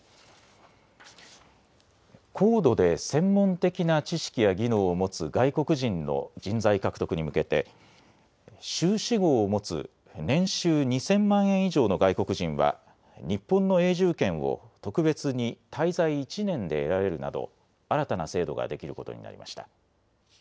高度で専門的な知識や技能を持つ外国人の人材獲得に向けて修士号を持つ年収２０００万円以上の外国人は日本の永住権を特別に滞在１年で得られるなど新たな制度ができることになりました。